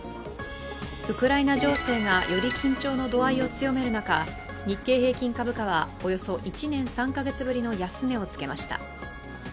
ウクライナ情勢がより緊張の度合いを強める中、日経平均株価はおよそ１年３カ月ぶりの安値をつけました。